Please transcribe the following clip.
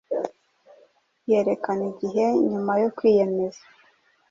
yerekana igihe nyuma yo kwiyemeza